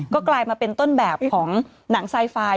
ก็กลายมาเป็นต้นแบบของหนังไซไฟล